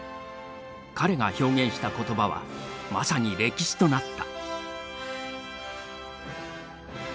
彼が表現した言葉はまさに歴史となった。